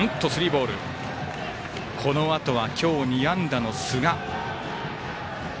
このあとは、今日２安打の寿賀。